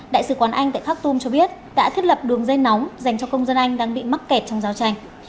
đại sứ quán anh tại khat tum cho biết đã thiết lập đường dây nóng dành cho công dân anh đang bị mắc kẹt trong giao tranh